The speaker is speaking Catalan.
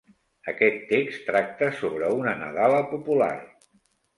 Aquest text tracta sobre una nadala popular.